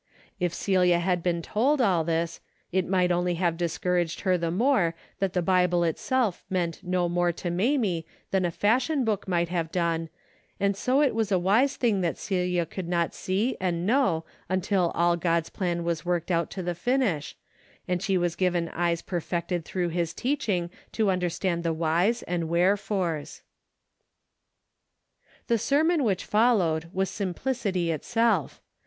If Celia had been told all this, it might only have discouraged her the 284 DAILY BATEI^ more that the Bible itself meant no more to Mamie than a fashion book might have done, and so it was a wise thing that Celia could not see and know until all God's plan was worked out to the finish, and she was given eyes per fected through his teaching to understand the whys and wherefores. The sermon which followed was simplicity itself.